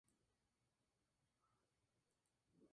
Cayeron en la trampa siendo detenido.